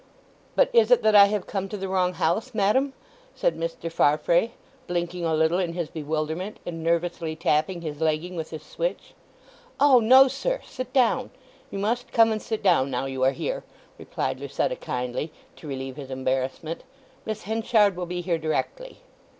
"But is it that I have come to the wrong house, madam?" said Mr. Farfrae, blinking a little in his bewilderment and nervously tapping his legging with his switch. "O no, sir,—sit down. You must come and sit down now you are here," replied Lucetta kindly, to relieve his embarrassment. "Miss Henchard will be here directly."